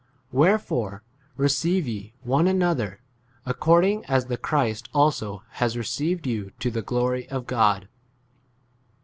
"Wherefore receive ye one another, according as the Christ also has received your to [the] glory of God.